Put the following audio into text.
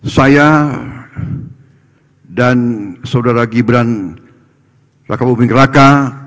saya dan saudara gibran raka ubin keraka